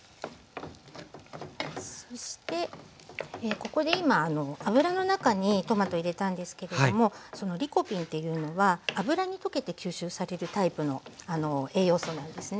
そしてここで今油の中にトマト入れたんですけれどもそのリコピンというのは油に溶けて吸収されるタイプの栄養素なんですね。